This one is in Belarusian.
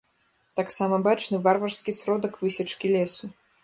Таксама бачны варварскі сродак высечкі лесу.